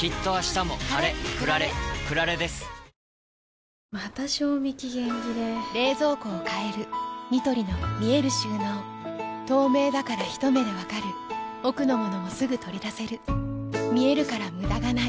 あー緊張するまた賞味期限切れ冷蔵庫を変えるニトリの見える収納透明だからひと目で分かる奥の物もすぐ取り出せる見えるから無駄がないよし。